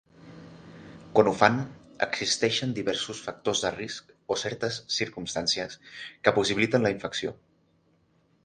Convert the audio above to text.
Quan ho fan, existeixen diversos factors de risc o certes circumstàncies que possibiliten la infecció.